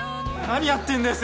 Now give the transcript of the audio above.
何やってんだよ